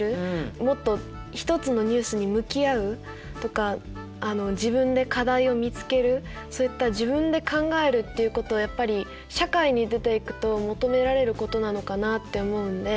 もっと一つのニュースに向き合うとか自分で課題を見つけるそういった自分で考えるっていうことをやっぱり社会に出ていくと求められることなのかなって思うんで。